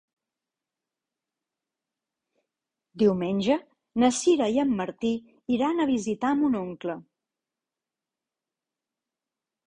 Diumenge na Sira i en Martí iran a visitar mon oncle.